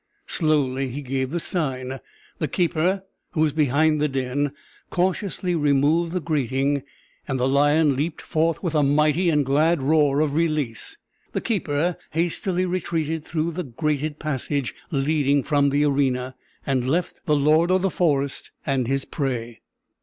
Slowly he gave the sign; the keeper, who was behind the den, cautiously removed the grating, and the lion leaped forth with a mighty and glad roar of release. The keeper hastily retreated through the grated passage leading from the arena, and left the lord of the forest and his prey.